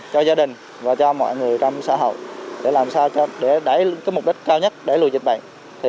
cho gia đình và cho mọi người trong xã hội để đẩy mục đích cao nhất để lùi dịch bệnh